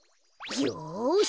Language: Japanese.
よし！